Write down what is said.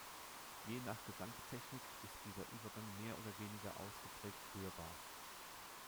Je nach Gesangstechnik ist dieser Übergang mehr oder weniger ausgeprägt hörbar.